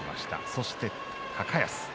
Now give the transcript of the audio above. そして高安。